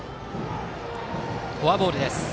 フォアボールです。